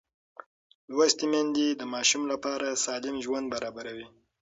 لوستې میندې د ماشوم لپاره سالم ژوند برابروي.